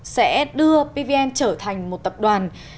sẽ đưa pvn trở thành một tập đoàn